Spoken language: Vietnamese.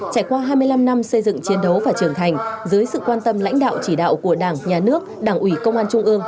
trải qua hai mươi năm năm xây dựng chiến đấu và trưởng thành dưới sự quan tâm lãnh đạo chỉ đạo của đảng nhà nước đảng ủy công an trung ương